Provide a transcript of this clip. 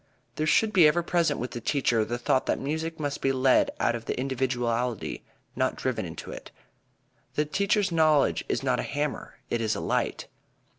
There should be ever present with the teacher the thought that music must be led out of the individuality, not driven into it. The teacher's knowledge is not a hammer, it is a light.